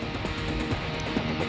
eh jangan dong